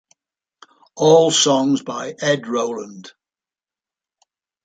All songs by Ed Roland.